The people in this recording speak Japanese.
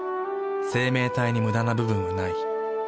生命体にムダな部分はない。